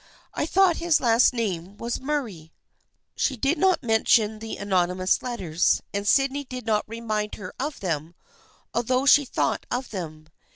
I thought his last name was Murray." She did not mention the anonymous letters, and Sydney did not remind her of them, although she thought of them.